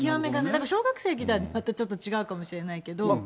だから小学生に聞いたら、またちょっと違うかもしれないけども。